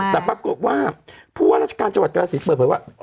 แต่ปรากฏว่าผู้ว่าราชการจังหวัดกรสินเปิดเผยว่า